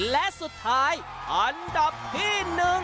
และสุดท้ายอันดับที่๑